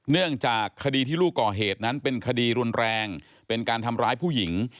เนื่องจากคดีที่ลูกก่อเหตุนั้นเป็นคดีรุนแรงเป็นการทำร้ายผู้หญิง